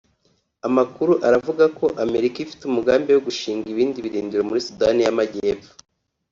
Amakuru aravugako Amerika ifite umugambi wo gushinga ibindi birindiro muri Sudani y’Amajyepfo